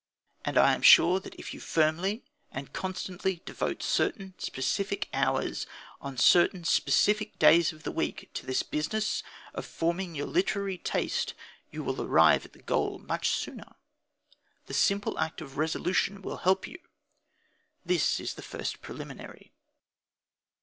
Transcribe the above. And I am sure that if you firmly and constantly devote certain specific hours on certain specific days of the week to this business of forming your literary taste, you will arrive at the goal much sooner. The simple act of resolution will help you. This is the first preliminary.